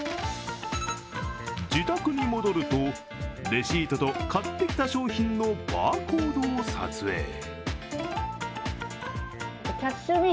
自宅に戻ると、レシートと買ってきた商品のバーコードを撮影。